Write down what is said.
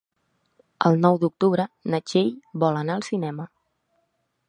El nou d'octubre na Txell vol anar al cinema.